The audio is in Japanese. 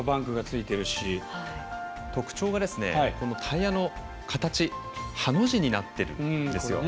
特徴がタイヤの形ハの字になっているんですよね。